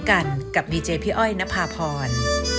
กันกับดีเจพี่อ้อยนภาพร